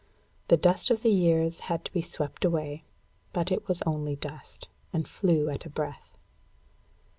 The dust of the years had to be swept away; but it was only dust, and flew at a breath.